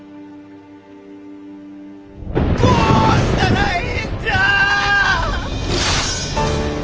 どうしたらええんじゃあ！